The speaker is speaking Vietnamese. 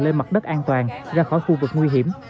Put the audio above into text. lên mặt đất an toàn ra khỏi khu vực nguy hiểm